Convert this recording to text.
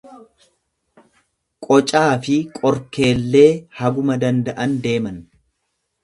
Qocaafi qorkeellee haguma danda'an deeman.